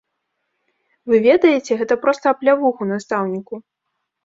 Вы ведаеце, гэта проста аплявуху настаўніку.